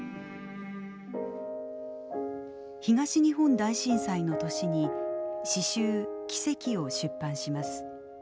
東日本大震災の年に詩集「奇跡」を出版します。